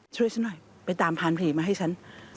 ช่วยฉันหน่อยไปตามพานผีมาให้ฉัน